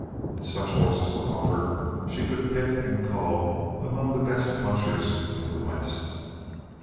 With such horses to offer, she could pick and cull among the best "punchers" in the West.